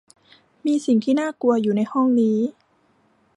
มีสิ่งที่น่ากลัวอยู่ในห้องนี้